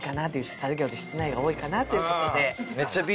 作業で室内が多いかなということで。